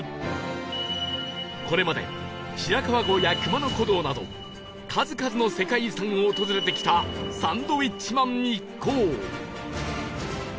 これまで白川郷や熊野古道など数々の世界遺産を訪れてきたサンドウィッチマン一行